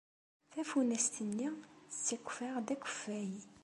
Tafunast-nni tettakf-aɣ-d akeffay.